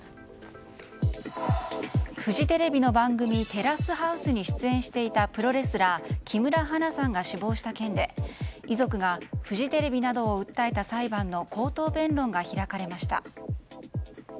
フジテレビの番組「テラスハウス」に出演していたプロレスラー、木村花さんが死亡した件で遺族がフジテレビなどを訴えた裁判の口頭弁論が開かれました。